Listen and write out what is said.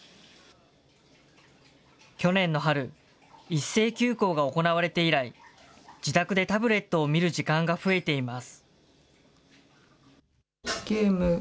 去年の春、一斉休校が行われて以来、自宅でタブレットを見る時間が増えています。